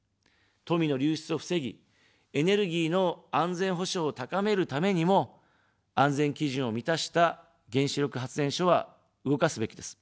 富の流出を防ぎ、エネルギーの安全保障を高めるためにも、安全基準を満たした原子力発電所は動かすべきです。